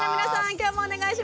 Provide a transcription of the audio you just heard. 今日もお願いします。